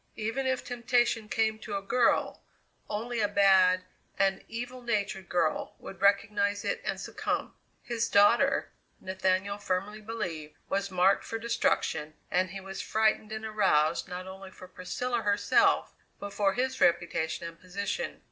Even if temptation came to a girl, only a bad, an evil natured girl would recognize it and succumb. His daughter, Nathaniel firmly believed, was marked for destruction, and he was frightened and aroused not only for Priscilla herself but for his reputation and position.